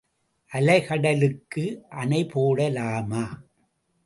அலைகடலுக்கு அணை போடலாமா?